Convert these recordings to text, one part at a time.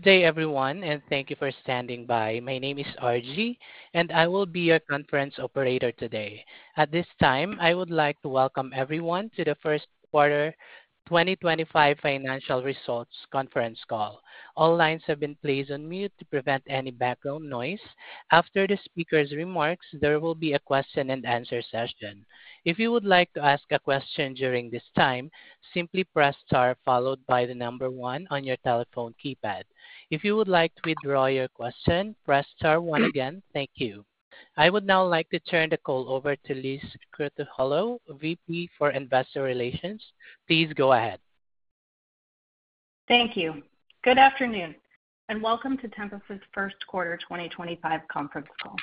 Good day, everyone, and thank you for standing by. My name is RG, and I will be your conference operator today. At this time, I would like to welcome everyone to the First Quarter 2025 Financial Results Conference Call. All lines have been placed on mute to prevent any background noise. After the speaker's remarks, there will be a question-and-answer session. If you would like to ask a question during this time, simply press star followed by the number one on your telephone keypad. If you would like to withdraw your question, press star one again. Thank you. I would now like to turn the call over to Liz Krutoholow, VP for Investor Relations. Please go ahead. Thank you. Good afternoon, and welcome to Tempus' First Quarter 2025 Conference Call.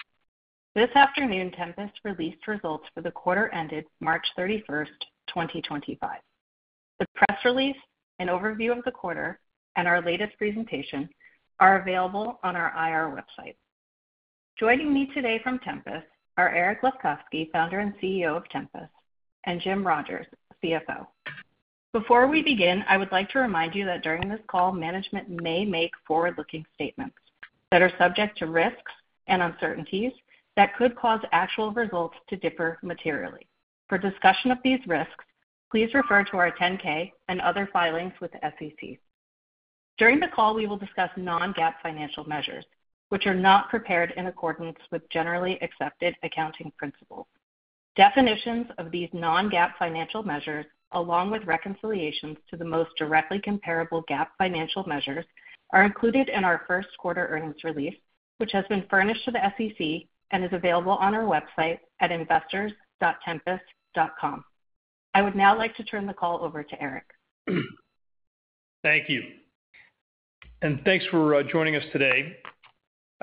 This afternoon, Tempus released results for the quarter ended March 31st, 2025. The press release, an overview of the quarter, and our latest presentation are available on our IR website. Joining me today from Tempus are Eric Lefkofsky, Founder and CEO of Tempus, and Jim Rogers, CFO. Before we begin, I would like to remind you that during this call, management may make forward-looking statements that are subject to risks and uncertainties that could cause actual results to differ materially. For discussion of these risks, please refer to our 10-K and other filings with the SEC. During the call, we will discuss non-GAAP financial measures, which are not prepared in accordance with generally accepted accounting principles. Definitions of these non-GAAP financial measures, along with reconciliations to the most directly comparable GAAP financial measures, are included in our First Quarter Earnings release, which has been furnished to the SEC and is available on our website at investors.tempus.com. I would now like to turn the call over to Eric. Thank you. Thanks for joining us today.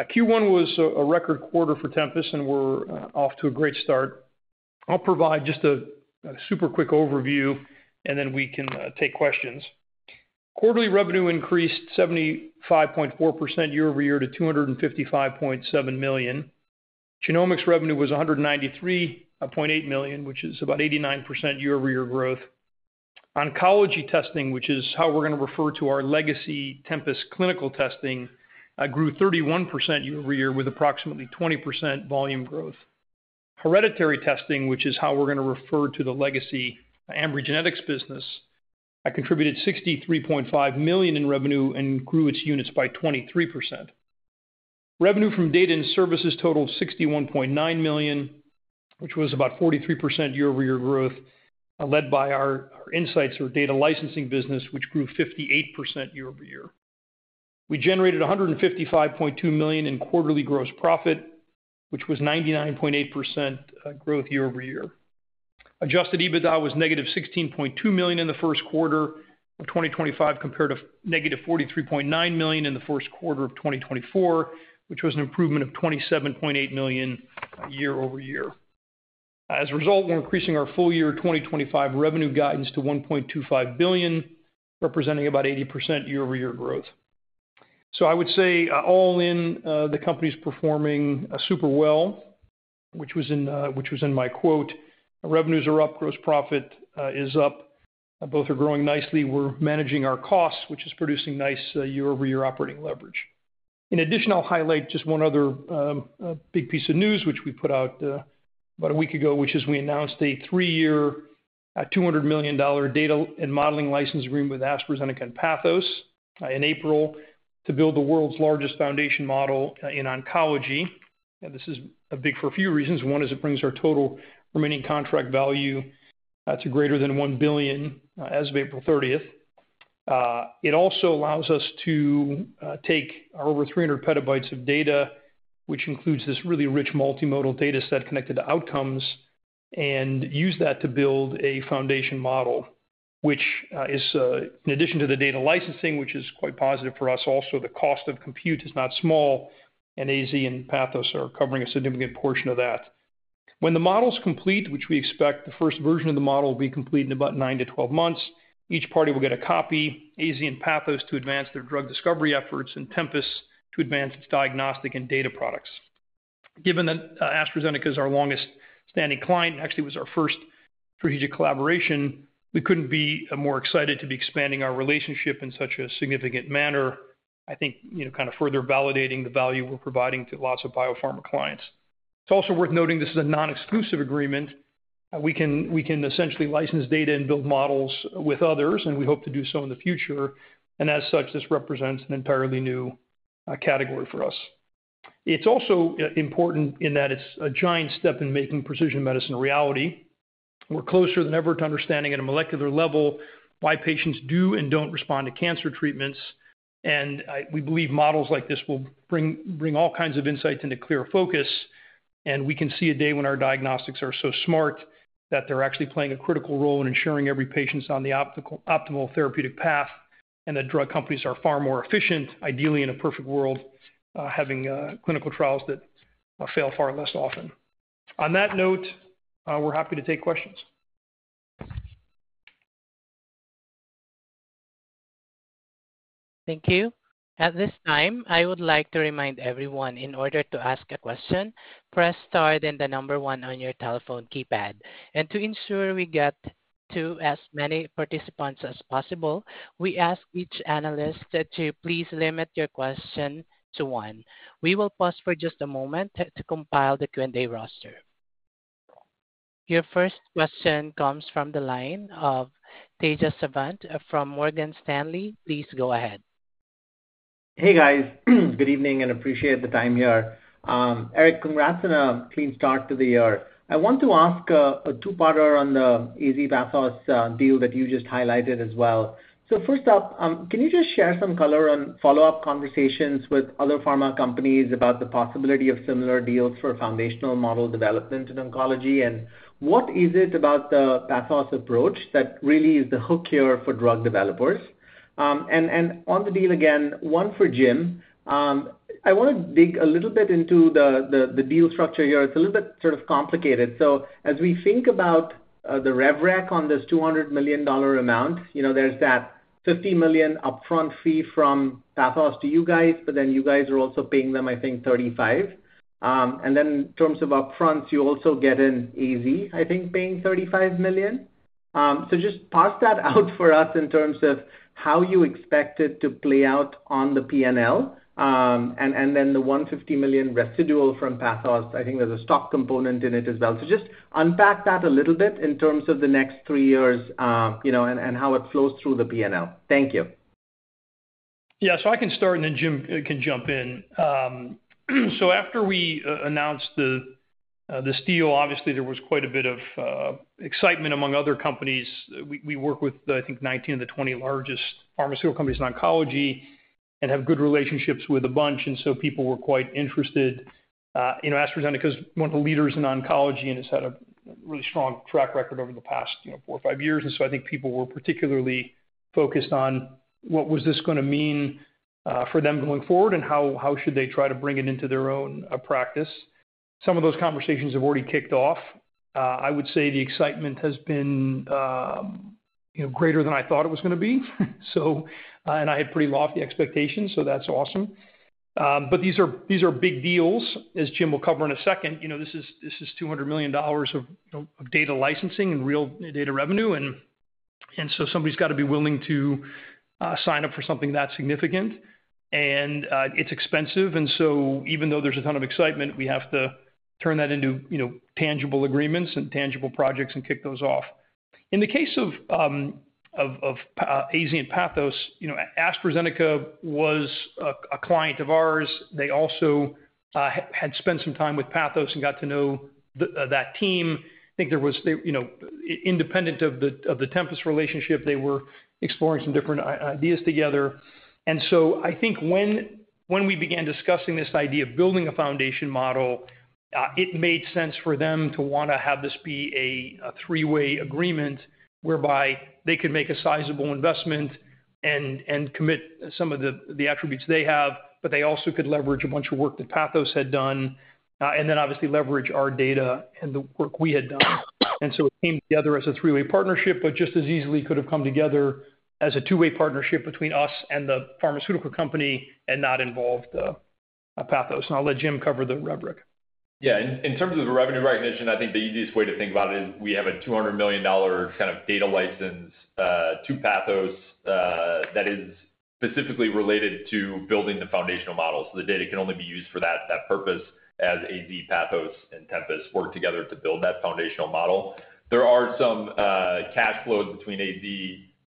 Q1 was a record quarter for Tempus, and we're off to a great start. I'll provide just a super quick overview, and then we can take questions. Quarterly revenue increased 75.4% year-over-year to $255.7 million. Genomics revenue was $193.8 million, which is about 89% year over year growth. Oncology testing, which is how we're going to refer to our legacy Tempus clinical testing, grew 31% year-over-year with approximately 20% volume growth. Hereditary testing, which is how we're going to refer to the legacy Ambry Genetics business, contributed $63.5 million in revenue and grew its units by 23%. Revenue from data and services totaled $61.9 million, which was about 43% year-over-year growth, led by our insights or data licensing business, which grew 58% year-over-year. We generated $155.2 million in quarterly gross profit, which was 99.8% growth year-over-year. Adjusted EBITDA was negative $16.2 million in the first quarter of 2025 compared to negative $43.9 million in the first quarter of 2024, which was an improvement of $27.8 million year-over-year. As a result, we're increasing our full year 2025 revenue guidance to $1.25 billion, representing about 80% year-over-year growth. I would say all in, the company's performing super well, which was in my quote. Revenues are up, gross profit is up. Both are growing nicely. We're managing our costs, which is producing nice year-over-year operating leverage. In addition, I'll highlight just one other big piece of news, which we put out about a week ago, which is we announced a three-year $200 million data and modeling license agreement with AstraZeneca and Pathos in April to build the world's largest foundation model in oncology. This is big for a few reasons. One is it brings our total remaining contract value to greater than $1 billion as of April 30th. It also allows us to take our over 300 PB of data, which includes this really rich multimodal data set connected to outcomes, and use that to build a foundation model, which is, in addition to the data licensing, which is quite positive for us. Also, the cost of compute is not small, and AZ and Pathos are covering a significant portion of that. When the model's complete, which we expect the first version of the model will be complete in about nine to 12 months, each party will get a copy: AstraZeneca and Pathos to advance their drug discovery efforts and Tempus to advance its diagnostic and data products. Given that AstraZeneca is our longest standing client, actually was our first strategic collaboration, we could not be more excited to be expanding our relationship in such a significant manner. I think kind of further validating the value we are providing to lots of biopharma clients. It is also worth noting this is a non-exclusive agreement. We can essentially license data and build models with others, and we hope to do so in the future. As such, this represents an entirely new category for us. It is also important in that it is a giant step in making precision medicine a reality. We're closer than ever to understanding at a molecular level why patients do and don't respond to cancer treatments. We believe models like this will bring all kinds of insights into clear focus. We can see a day when our diagnostics are so smart that they're actually playing a critical role in ensuring every patient's on the optimal therapeutic path and that drug companies are far more efficient, ideally in a perfect world, having clinical trials that fail far less often. On that note, we're happy to take questions. Thank you. At this time, I would like to remind everyone in order to ask a question, press star then the number one on your telephone keypad. To ensure we get to as many participants as possible, we ask each analyst to please limit your question to one. We will pause for just a moment to compile the Q&A roster. Your first question comes from the line of Tejas Savant from Morgan Stanley. Please go ahead. Hey, guys. Good evening and appreciate the time here. Eric, congrats and a clean start to the year. I want to ask a two-parter on the AZ/Pathos deal that you just highlighted as well. First up, can you just share some color on follow-up conversations with other pharma companies about the possibility of similar deals for foundational model development in oncology? What is it about the Pathos approach that really is the hook here for drug developers? On the deal again, one for Jim. I want to dig a little bit into the deal structure here. It's a little bit sort of complicated. As we think about the rev rec on this $200 million amount, there's that $50 million upfront fee from Pathos to you guys, but then you guys are also paying them, I think, $35 million. In terms of upfronts, you also get an AZ, I think, paying $35 million. Just pass that out for us in terms of how you expect it to play out on the P&L and then the $150 million residual from Pathos. I think there's a stock component in it as well. Just unpack that a little bit in terms of the next three years and how it flows through the P&L. Thank you. Yeah, I can start and then Jim can jump in. After we announced this deal, obviously, there was quite a bit of excitement among other companies. We work with, I think, 19 to 20 largest pharmaceutical companies in oncology and have good relationships with a bunch. People were quite interested. AstraZeneca is one of the leaders in oncology and has had a really strong track record over the past four or five years. I think people were particularly focused on what this was going to mean for them going forward and how they should try to bring it into their own practice. Some of those conversations have already kicked off. I would say the excitement has been greater than I thought it was going to be. I had pretty lofty expectations, so that's awesome. These are big deals, as Jim will cover in a second. This is $200 million of data licensing and real data revenue. Somebody's got to be willing to sign up for something that significant. It's expensive. Even though there's a ton of excitement, we have to turn that into tangible agreements and tangible projects and kick those off. In the case of AZ and Pathos, AstraZeneca was a client of ours. They also had spent some time with Pathos and got to know that team. I think independent of the Tempus relationship, they were exploring some different ideas together. I think when we began discussing this idea of building a foundation model, it made sense for them to want to have this be a three-way agreement whereby they could make a sizable investment and commit some of the attributes they have, but they also could leverage a bunch of work that Pathos had done and then obviously leverage our data and the work we had done. It came together as a three-way partnership, but just as easily could have come together as a two-way partnership between us and the pharmaceutical company and not involve Pathos. I'll let Jim cover the rev rec. Yeah. In terms of the revenue recognition, I think the easiest way to think about it is we have a $200 million kind of data license to Pathos that is specifically related to building the foundational models. The data can only be used for that purpose as AZ, Pathos, and Tempus work together to build that foundational model. There are some cash flows between AZ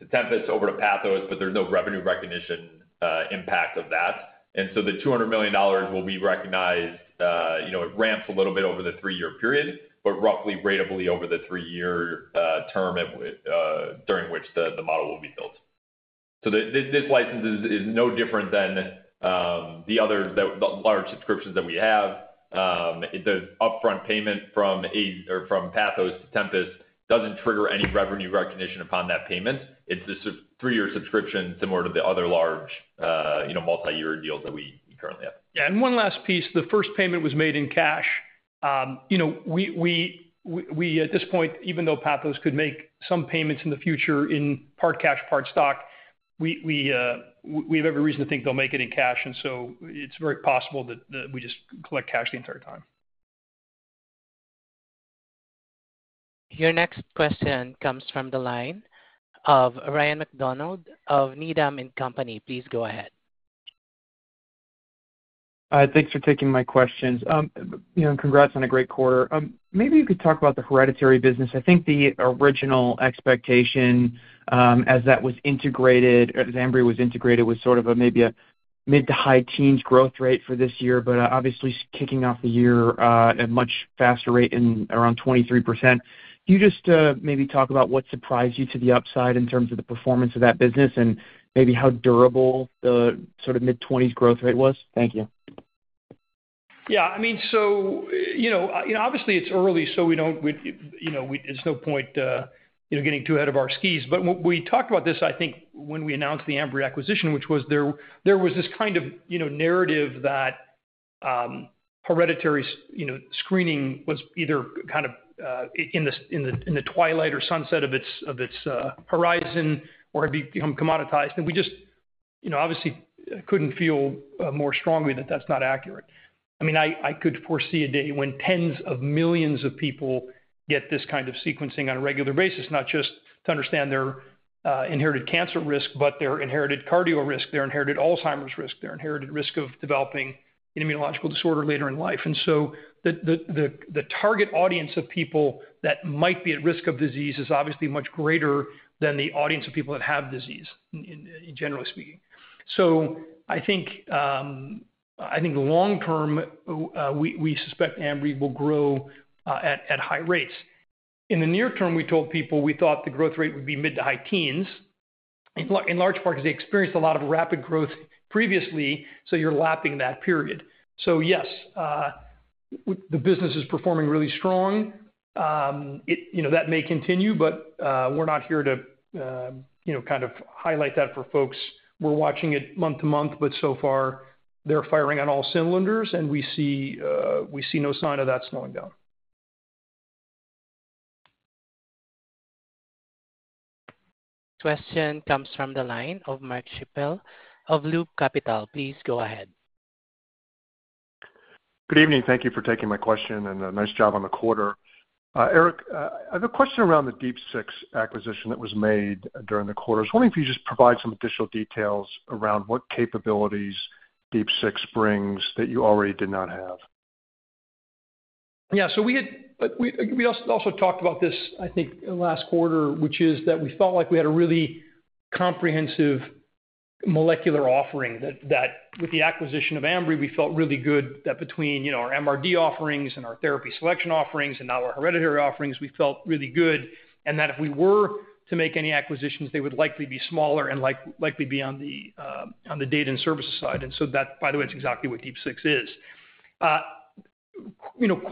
to Tempus over to Pathos, but there's no revenue recognition impact of that. The $200 million will be recognized. It ramps a little bit over the three-year period, but roughly ratably over the three-year term during which the model will be built. This license is no different than the other large subscriptions that we have. The upfront payment from Pathos to Tempus doesn't trigger any revenue recognition upon that payment. It's a three-year subscription similar to the other large multi-year deals that we currently have. Yeah. One last piece. The first payment was made in cash. At this point, even though Pathos could make some payments in the future in part cash, part stock, we have every reason to think they'll make it in cash. It is very possible that we just collect cash the entire time. Your next question comes from the line of Ryan MacDonald of Needham & Company. Please go ahead. Thanks for taking my questions. Congrats on a great quarter. Maybe you could talk about the hereditary business. I think the original expectation as that was integrated, as Ambry was integrated, was sort of maybe a mid to high teens growth rate for this year, but obviously kicking off the year at a much faster rate in around 23%. Can you just maybe talk about what surprised you to the upside in terms of the performance of that business and maybe how durable the sort of mid-20s growth rate was? Thank you. Yeah. I mean, obviously it's early, so there's no point getting too ahead of our skis. We talked about this, I think, when we announced the Ambry acquisition, which was there was this kind of narrative that hereditary screening was either kind of in the twilight or sunset of its horizon or had become commoditized. We just obviously couldn't feel more strongly that that's not accurate. I mean, I could foresee a day when tens of millions of people get this kind of sequencing on a regular basis, not just to understand their inherited cancer risk, but their inherited cardio risk, their inherited Alzheimer's risk, their inherited risk of developing an immunological disorder later in life. The target audience of people that might be at risk of disease is obviously much greater than the audience of people that have disease, generally speaking. I think long term, we suspect Ambry will grow at high rates. In the near term, we told people we thought the growth rate would be mid to high teens. In large part, because they experienced a lot of rapid growth previously, so you're lapping that period. Yes, the business is performing really strong. That may continue, but we're not here to kind of highlight that for folks. We're watching it month-to-month, but so far they're firing on all cylinders and we see no sign of that slowing down. Question comes from the line of Mark Schappel of Loop Capital. Please go ahead. Good evening. Thank you for taking my question and a nice job on the quarter. Eric, I have a question around the Deep 6 acquisition that was made during the quarter. I was wondering if you could just provide some additional details around what capabilities Deep 6 brings that you already did not have. Yeah. We also talked about this, I think, last quarter, which is that we felt like we had a really comprehensive molecular offering that with the acquisition of Ambry, we felt really good that between our MRD offerings and our therapy selection offerings and now our hereditary offerings, we felt really good and that if we were to make any acquisitions, they would likely be smaller and likely be on the data and services side. That, by the way, is exactly what Deep 6 is.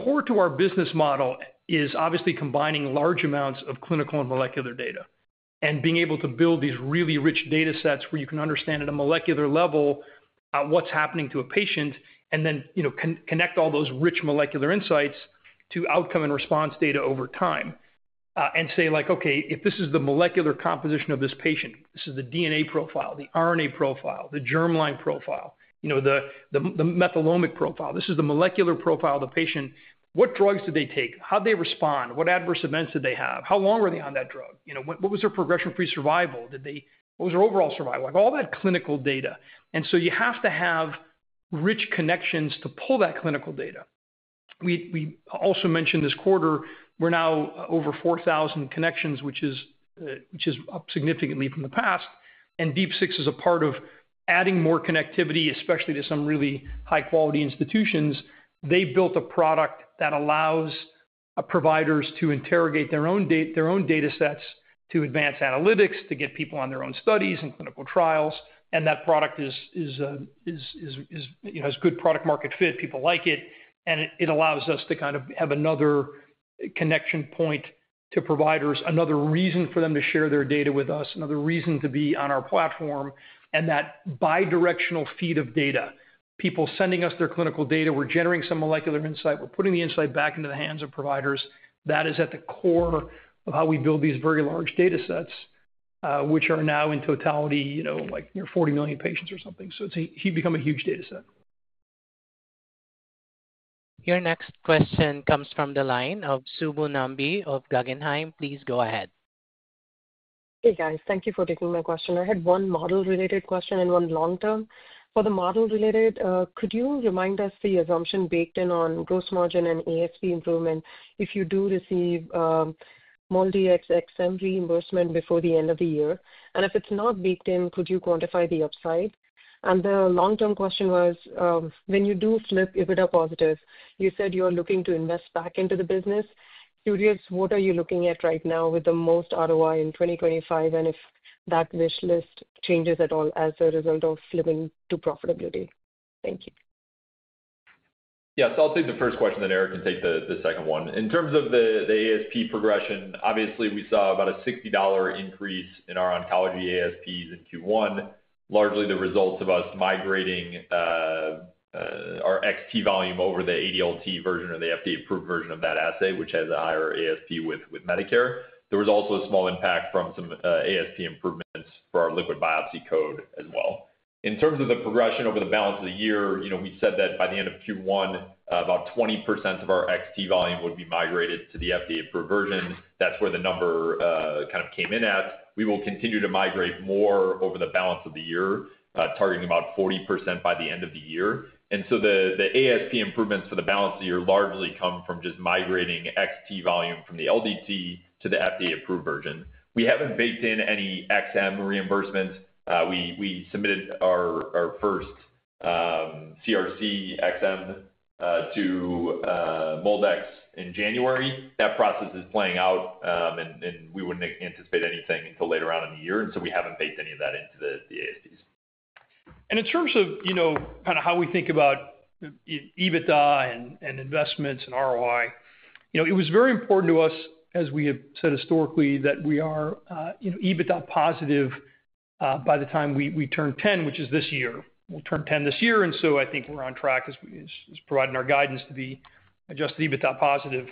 Core to our business model is obviously combining large amounts of clinical and molecular data and being able to build these really rich data sets where you can understand at a molecular level what's happening to a patient and then connect all those rich molecular insights to outcome and response data over time and say, "Okay, if this is the molecular composition of this patient, this is the DNA profile, the RNA profile, the germline profile, the methylomic profile. This is the molecular profile of the patient. What drugs did they take? How did they respond? What adverse events did they have? How long were they on that drug? What was their progression-free survival? What was their overall survival?" All that clinical data. You have to have rich connections to pull that clinical data. We also mentioned this quarter, we're now over 4,000 connections, which is up significantly from the past. Deep 6 is a part of adding more connectivity, especially to some really high-quality institutions. They built a product that allows providers to interrogate their own data sets to advance analytics, to get people on their own studies and clinical trials. That product has good product-market fit. People like it. It allows us to kind of have another connection point to providers, another reason for them to share their data with us, another reason to be on our platform. That bidirectional feed of data, people sending us their clinical data, we're generating some molecular insight, we're putting the insight back into the hands of providers. That is at the core of how we build these very large data sets, which are now in totality like 40 million patients or something. It has become a huge data set. Your next question comes from the line of Subbu Nambi of Guggenheim. Please go ahead. Hey, guys. Thank you for taking my question. I had one model-related question and one long-term. For the model-related, could you remind us the assumption baked in on gross margin and ASP improvement if you do receive MolDx xM reimbursement before the end of the year? If it's not baked in, could you quantify the upside? The long-term question was, when you do flip EBITDA positive, you said you're looking to invest back into the business. Curious, what are you looking at right now with the most ROI in 2025 and if that wish list changes at all as a result of flipping to profitability? Thank you. Yeah. I'll take the first question then Eric can take the second one. In terms of the ASP progression, obviously we saw about a $60 increase in our oncology ASPs in Q1, largely the result of us migrating our xT volume over to the ADLT version or the FDA-approved version of that assay, which has a higher ASP with Medicare. There was also a small impact from some ASP improvements for our liquid biopsy code as well. In terms of the progression over the balance of the year, we said that by the end of Q1, about 20% of our xT volume would be migrated to the FDA-approved version. That's where the number kind of came in at. We will continue to migrate more over the balance of the year, targeting about 40% by the end of the year. The ASP improvements for the balance of the year largely come from just migrating xT volume from ADLT to the FDA-approved version. We have not baked in any xM reimbursements. We submitted our first CRC xM to MolDX in January. That process is playing out, and we would not anticipate anything until later on in the year. We have not baked any of that into the ASPs. In terms of kind of how we think about EBITDA and investments and ROI, it was very important to us, as we have said historically, that we are EBITDA positive by the time we turn 10, which is this year. We will turn 10 this year. I think we are on track as providing our guidance to be adjusted EBITDA positive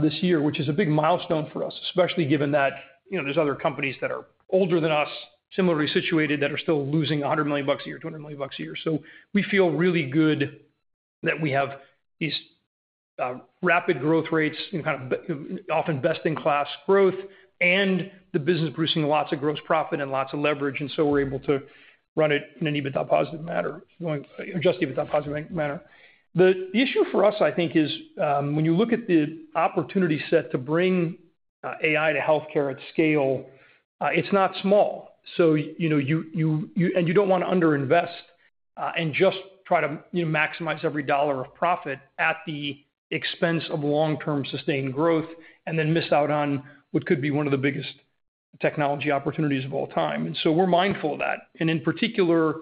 this year, which is a big milestone for us, especially given that there are other companies that are older than us, similarly situated, that are still losing $100 million a year to $100 million a year. We feel really good that we have these rapid growth rates and kind of often best-in-class growth and the business producing lots of gross profit and lots of leverage. We are able to run it in an EBITDA positive manner, adjusted EBITDA positive manner. The issue for us, I think, is when you look at the opportunity set to bring AI to healthcare at scale, it's not small. You don't want to underinvest and just try to maximize every dollar of profit at the expense of long-term sustained growth and then miss out on what could be one of the biggest technology opportunities of all time. We're mindful of that. In particular,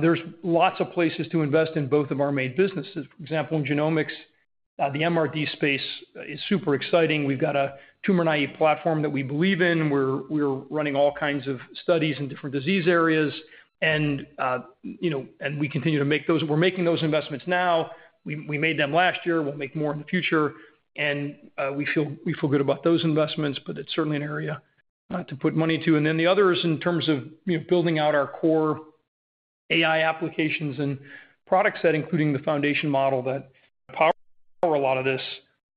there's lots of places to invest in both of our main businesses. For example, in genomics, the MRD space is super exciting. We've got a tumor naive platform that we believe in. We're running all kinds of studies in different disease areas. We continue to make those. We're making those investments now. We made them last year. We'll make more in the future. We feel good about those investments, but it's certainly an area to put money to. The others in terms of building out our core AI applications and product set, including the foundation model that powers a lot of this,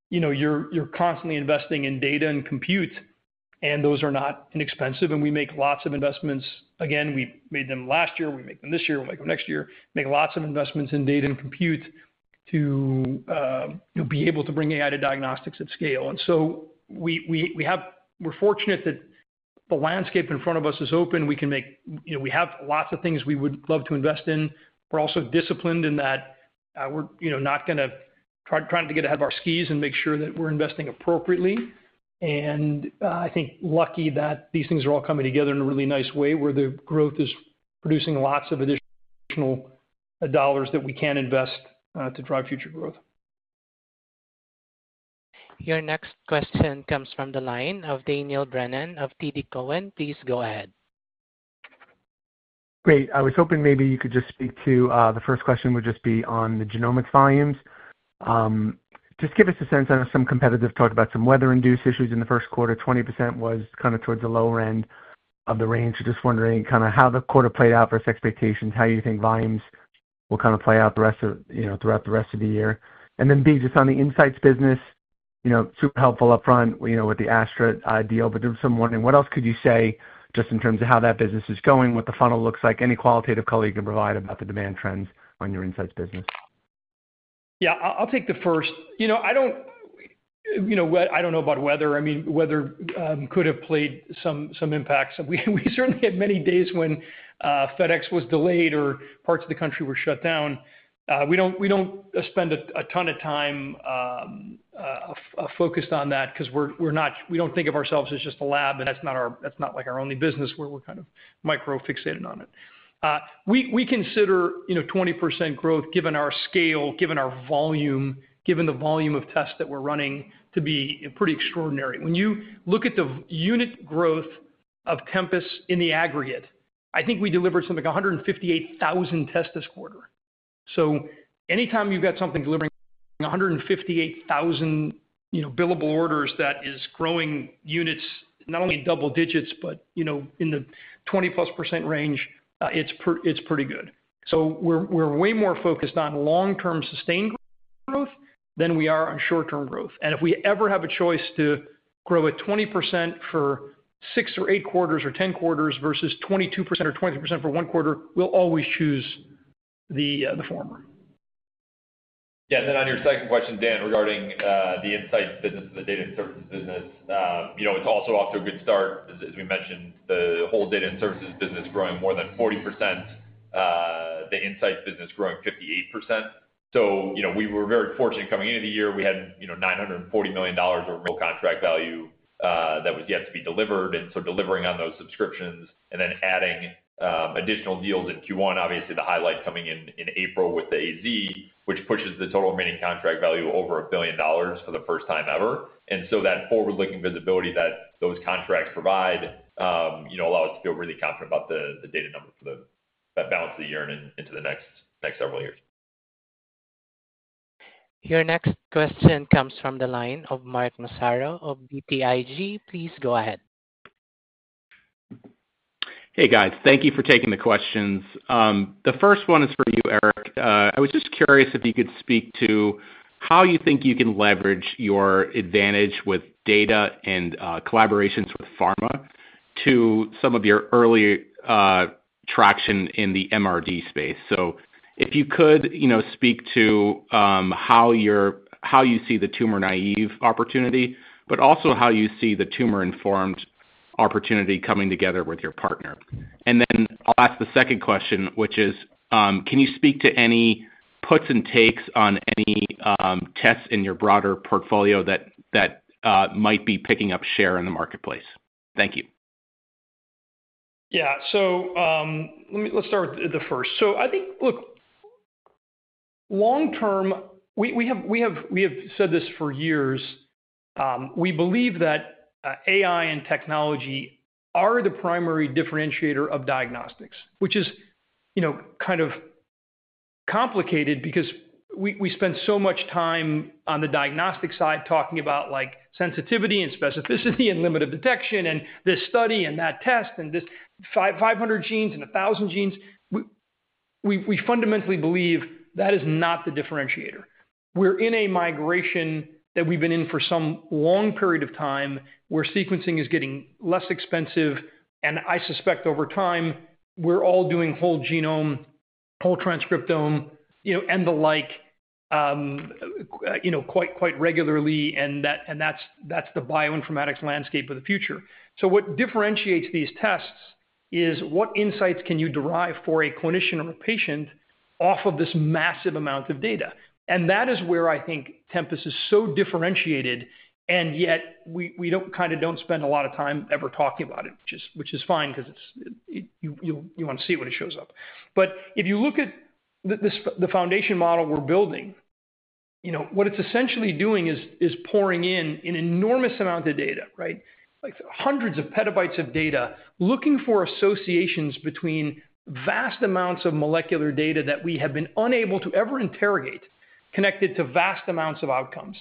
you're constantly investing in data and compute, and those are not inexpensive. We make lots of investments. Again, we made them last year. We make them this year. We'll make them next year. Make lots of investments in data and compute to be able to bring AI to diagnostics at scale. We are fortunate that the landscape in front of us is open. We have lots of things we would love to invest in. We are also disciplined in that we're not going to try to get ahead of our skis and make sure that we're investing appropriately. I think lucky that these things are all coming together in a really nice way where the growth is producing lots of additional dollars that we can invest to drive future growth. Your next question comes from the line of Daniel Brennan of TD Cowen. Please go ahead. Great. I was hoping maybe you could just speak to the first question would just be on the genomics volumes. Just give us a sense on some competitive talk about some weather-induced issues in the first quarter. 20% was kind of towards the lower end of the range. Just wondering kind of how the quarter played out for expectations, how you think volumes will kind of play out throughout the rest of the year. Then b, just on the insights business, super helpful upfront with the Astra deal. There is some wondering. What else could you say just in terms of how that business is going, what the funnel looks like? Any qualitative color you can provide about the demand trends on your insights business. Yeah. I'll take the first. I don't know about weather. I mean, weather could have played some impacts. We certainly had many days when FedEx was delayed or parts of the country were shut down. We don't spend a ton of time focused on that because we don't think of ourselves as just a lab. That's not our only business. We're kind of micro-fixated on it. We consider 20% growth, given our scale, given our volume, given the volume of tests that we're running, to be pretty extraordinary. When you look at the unit growth of Tempus in the aggregate, I think we delivered something like 158,000 tests this quarter. Anytime you've got something delivering 158,000 billable orders, that is growing units not only in double digits, but in the 20%+ range, it's pretty good. We're way more focused on long-term sustained growth than we are on short-term growth. If we ever have a choice to grow at 20% for six or eight quarters or ten quarters versus 22% or 23% for one quarter, we'll always choose the former. Yeah. On your second question, Dan, regarding the insights business and the data and services business, it's also off to a good start. As we mentioned, the whole data and services business growing more than 40%, the insights business growing 58%. We were very fortunate coming into the year. We had $940 million of contract value that was yet to be delivered. Delivering on those subscriptions and then adding additional deals in Q1, obviously the highlight coming in April with the AZ, which pushes the total remaining contract value over a billion dollars for the first time ever. That forward-looking visibility that those contracts provide allow us to feel really confident about the data number for the balance of the year and into the next several years. Your next question comes from the line of Mark Massaro of BTIG. Please go ahead. Hey, guys. Thank you for taking the questions. The first one is for you, Eric. I was just curious if you could speak to how you think you can leverage your advantage with data and collaborations with pharma to some of your earlier traction in the MRD space. If you could speak to how you see the tumor-naive opportunity, but also how you see the tumor-informed opportunity coming together with your partner. I will ask the second question, which is, can you speak to any puts and takes on any tests in your broader portfolio that might be picking up share in the marketplace? Thank you. Yeah. Let's start with the first. I think, look, long-term, we have said this for years. We believe that AI and technology are the primary differentiator of diagnostics, which is kind of complicated because we spend so much time on the diagnostic side talking about sensitivity and specificity and limited detection and this study and that test and this 500 genes and 1,000 genes. We fundamentally believe that is not the differentiator. We're in a migration that we've been in for some long period of time where sequencing is getting less expensive. I suspect over time, we're all doing whole genome, whole transcriptome, and the like quite regularly. That's the bioinformatics landscape of the future. What differentiates these tests is what insights can you derive for a clinician or a patient off of this massive amount of data? That is where I think Tempus is so differentiated. Yet we kind of do not spend a lot of time ever talking about it, which is fine because you want to see when it shows up. If you look at the foundation model we are building, what it is essentially doing is pouring in an enormous amount of data, right? Hundreds of PB of data looking for associations between vast amounts of molecular data that we have been unable to ever interrogate connected to vast amounts of outcomes.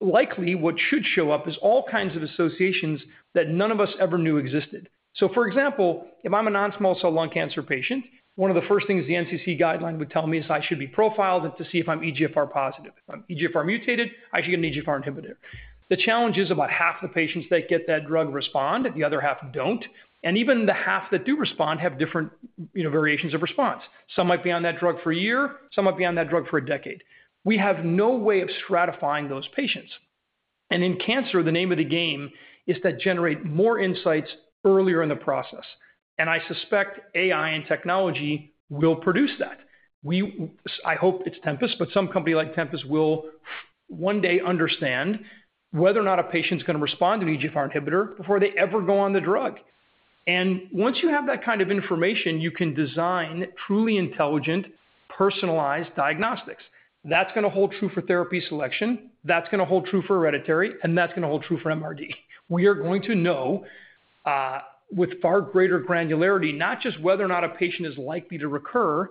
Likely what should show up is all kinds of associations that none of us ever knew existed. For example, if I am a non-small cell lung cancer patient, one of the first things the NCC guideline would tell me is I should be profiled to see if I am EGFR positive. If I am EGFR mutated, I should get an EGFR inhibitor. The challenge is about half the patients that get that drug respond. The other half do not. Even the half that do respond have different variations of response. Some might be on that drug for a year. Some might be on that drug for a decade. We have no way of stratifying those patients. In cancer, the name of the game is to generate more insights earlier in the process. I suspect AI and technology will produce that. I hope it is Tempus, but some company like Tempus will one day understand whether or not a patient is going to respond to an EGFR inhibitor before they ever go on the drug. Once you have that kind of information, you can design truly intelligent, personalized diagnostics. That is going to hold true for therapy selection. That is going to hold true for hereditary. That is going to hold true for MRD. We are going to know with far greater granularity, not just whether or not a patient is likely to recur,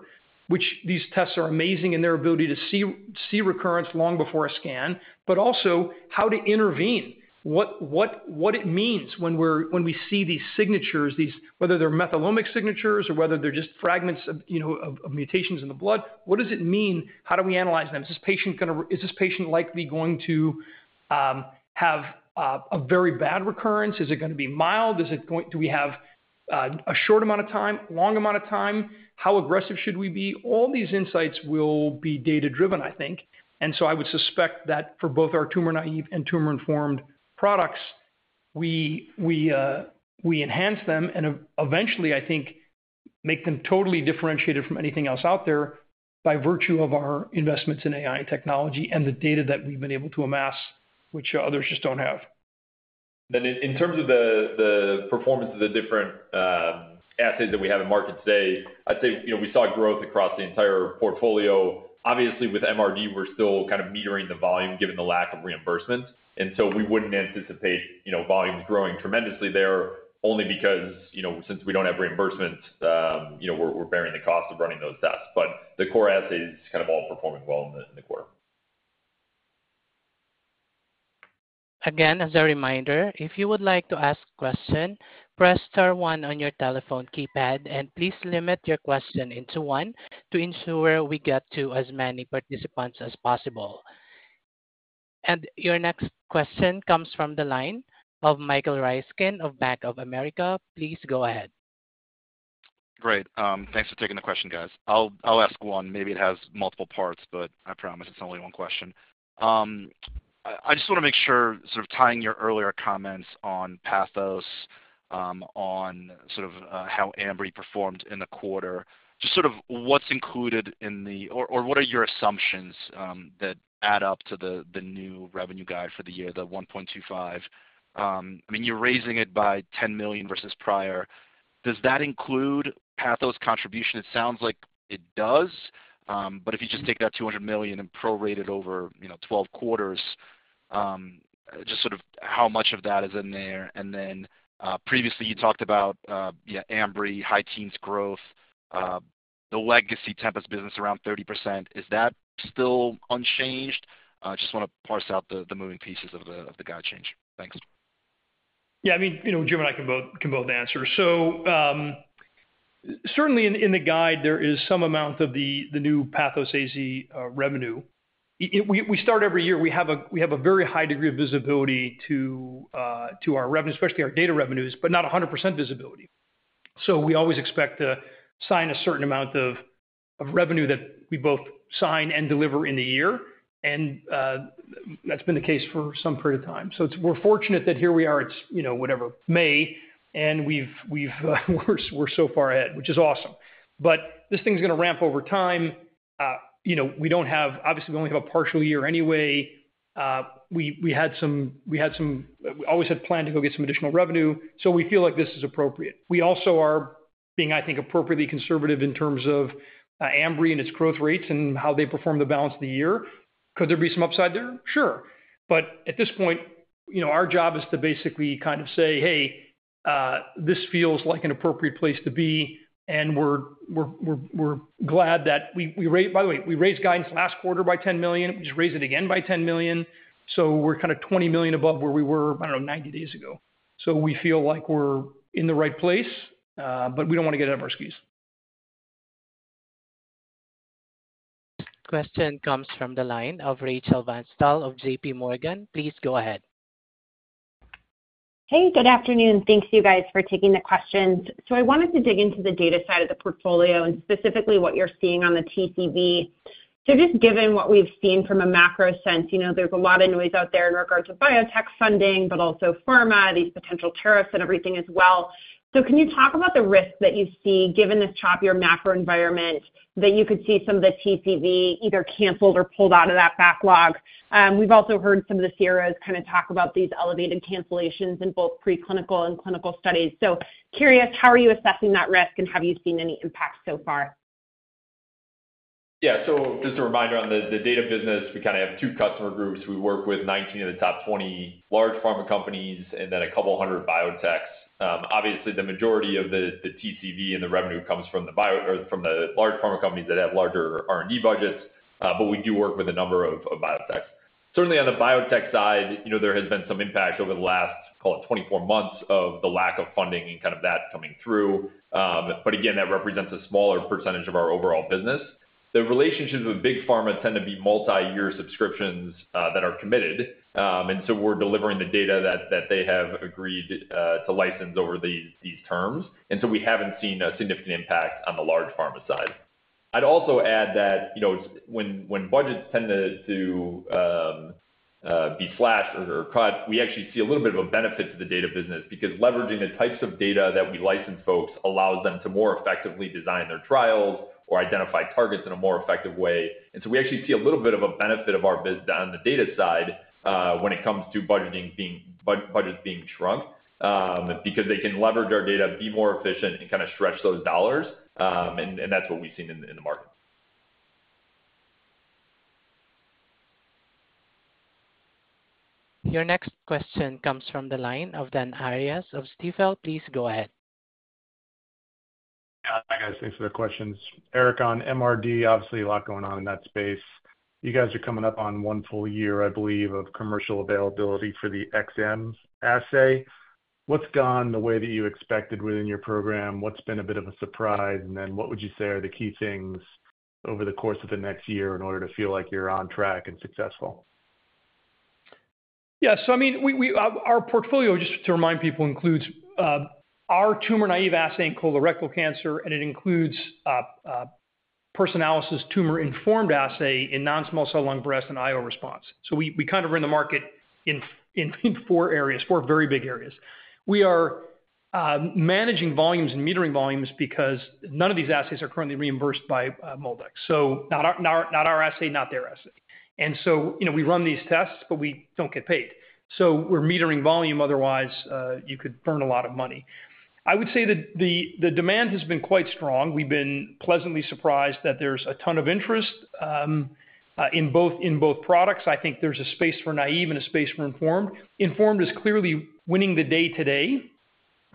which these tests are amazing in their ability to see recurrence long before a scan, but also how to intervene. What it means when we see these signatures, whether they are methylomic signatures or whether they are just fragments of mutations in the blood, what does it mean? How do we analyze them? Is this patient likely going to have a very bad recurrence? Is it going to be mild? Do we have a short amount of time, long amount of time? How aggressive should we be? All these insights will be data-driven, I think. I would suspect that for both our tumor-naive and tumor-informed products, we enhance them and eventually, I think, make them totally differentiated from anything else out there by virtue of our investments in AI technology and the data that we have been able to amass, which others just do not have. In terms of the performance of the different assets that we have in market today, I'd say we saw growth across the entire portfolio. Obviously, with MRD, we're still kind of metering the volume given the lack of reimbursement. We wouldn't anticipate volumes growing tremendously there only because since we don't have reimbursements, we're bearing the cost of running those tests. The core assays kind of all performing well in the quarter. Again, as a reminder, if you would like to ask a question, press star one on your telephone keypad and please limit your question in to one to ensure we get to as many participants as possible. Your next question comes from the line of Michael Ryskin of Bank of America. Please go ahead. Great. Thanks for taking the question, guys. I'll ask one. Maybe it has multiple parts, but I promise it's only one question. I just want to make sure sort of tying your earlier comments on Pathos on sort of how Ambry performed in the quarter, just sort of what's included in the or what are your assumptions that add up to the new revenue guide for the year, the $1.25 billion I mean, you're raising it by $10 million versus prior. Does that include Pathos contribution? It sounds like it does. But if you just take that $200 million and prorate it over 12 quarters, just sort of how much of that is in there? And then previously you talked about Ambry, high-teens growth, the legacy Tempus business around 30%. Is that still unchanged? Just want to parse out the moving pieces of the guide change. Thanks. Yeah. I mean, Jim and I can both answer. Certainly in the guide, there is some amount of the new Pathos AZ revenue. We start every year. We have a very high degree of visibility to our revenue, especially our data revenues, but not 100% visibility. We always expect to sign a certain amount of revenue that we both sign and deliver in the year. That has been the case for some period of time. We are fortunate that here we are, it is whatever, May, and we are so far ahead, which is awesome. This thing is going to ramp over time. We do not have, obviously, we only have a partial year anyway. We had some, we always had planned to go get some additional revenue. We feel like this is appropriate. We also are being, I think, appropriately conservative in terms of Ambry and its growth rates and how they perform the balance of the year. Could there be some upside there? Sure. At this point, our job is to basically kind of say, "Hey, this feels like an appropriate place to be." We are glad that we raised, by the way, we raised guidance last quarter by $10 million. We just raised it again by $10 million. We are kind of $20 million above where we were, I do not know, 90 days ago. We feel like we are in the right place, but we do not want to get out of our skis. This question comes from the line of Rachel Vatnsdal of JPMorgan. Please go ahead. Hey, good afternoon. Thanks, you guys, for taking the questions. I wanted to dig into the data side of the portfolio and specifically what you're seeing on the TCV. Just given what we've seen from a macro sense, there's a lot of noise out there in regards to biotech funding, but also pharma, these potential tariffs and everything as well. Can you talk about the risk that you see given this choppier macro environment that you could see some of the TCV either canceled or pulled out of that backlog? We've also heard some of the CROs kind of talk about these elevated cancellations in both preclinical and clinical studies. Curious, how are you assessing that risk and have you seen any impact so far? Yeah. So just a reminder on the data business, we kind of have two customer groups. We work with 19 of the top 20 large pharma companies and then a couple hundred biotechs. Obviously, the majority of the TCV and the revenue comes from the large pharma companies that have larger R&D budgets, but we do work with a number of biotechs. Certainly on the biotech side, there has been some impact over the last, call it, 24 months of the lack of funding and kind of that coming through. Again, that represents a smaller percentage of our overall business. The relationships with big pharma tend to be multi-year subscriptions that are committed. We are delivering the data that they have agreed to license over these terms. We have not seen a significant impact on the large pharma side. I'd also add that when budgets tend to be slashed or cut, we actually see a little bit of a benefit to the data business because leveraging the types of data that we license folks allows them to more effectively design their trials or identify targets in a more effective way. We actually see a little bit of a benefit on the data side when it comes to budget being shrunk because they can leverage our data, be more efficient, and kind of stretch those dollars. That's what we've seen in the market. Your next question comes from the line of Dan Arias of Stifel. Please go ahead. Hi, guys. These are the questions. Eric, on MRD, obviously a lot going on in that space. You guys are coming up on one full year, I believe, of commercial availability for the xM assay. What's gone the way that you expected within your program? What's been a bit of a surprise? What would you say are the key things over the course of the next year in order to feel like you're on track and successful? Yeah. I mean, our portfolio, just to remind people, includes our tumor-naive assay in colorectal cancer, and it includes Personalis' tumor-informed assay in non-small cell lung, breast, and IO response. We kind of run the market in four areas, four very big areas. We are managing volumes and metering volumes because none of these assays are currently reimbursed by MolDX. Not our assay, not their assay. We run these tests, but we do not get paid. We are metering volume. Otherwise, you could burn a lot of money. I would say that the demand has been quite strong. We have been pleasantly surprised that there is a ton of interest in both products. I think there is a space for naive and a space for informed. Informed is clearly winning the day today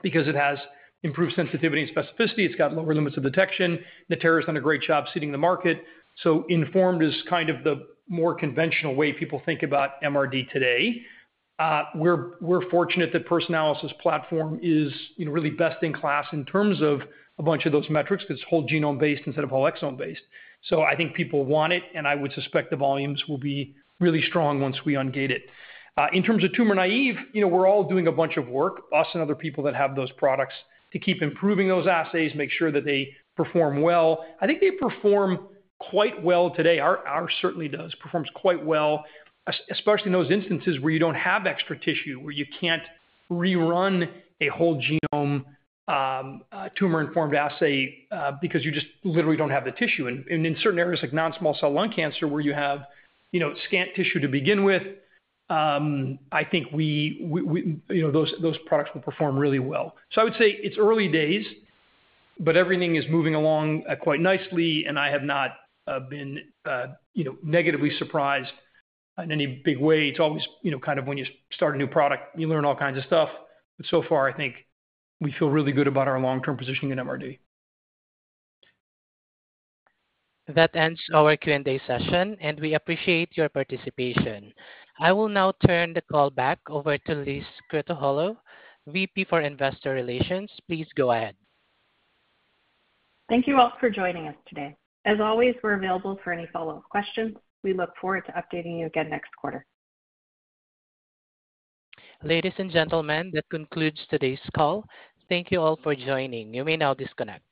because it has improved sensitivity and specificity. It has got lower limits of detection. Natera has done a great job seeding the market. Informed is kind of the more conventional way people think about MRD today. We're fortunate that Personalis' platform is really best in class in terms of a bunch of those metrics because it's whole genome-based instead of whole exome-based. I think people want it, and I would suspect the volumes will be really strong once we ungate it. In terms of tumor-naive, we're all doing a bunch of work, us and other people that have those products to keep improving those assays, make sure that they perform well. I think they perform quite well today. Ours certainly does. Performs quite well, especially in those instances where you don't have extra tissue, where you can't rerun a whole genome tumor-informed assay because you just literally don't have the tissue. In certain areas like non-small cell lung cancer, where you have scant tissue to begin with, I think those products will perform really well. I would say it's early days, but everything is moving along quite nicely, and I have not been negatively surprised in any big way. It's always kind of when you start a new product, you learn all kinds of stuff. So far, I think we feel really good about our long-term positioning in MRD. That ends our Q&A session, and we appreciate your participation. I will now turn the call back over to Liz Krutoholow, VP for Investor Relations. Please go ahead. Thank you all for joining us today. As always, we're available for any follow-up questions. We look forward to updating you again next quarter. Ladies and gentlemen, that concludes today's call. Thank you all for joining. You may now disconnect.